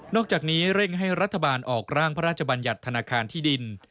อกจากนี้เร่งให้รัฐบาลออกร่างพระราชบัญญัติธนาคารที่ดิน